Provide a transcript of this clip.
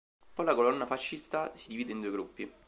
Poi la colonna fascista si divide in due gruppi.